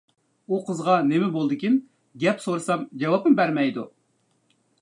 ئۇ قىزغا نېمە بولدىكىن گەپ سورىسام جاۋابمۇ بەرمەيدۇ.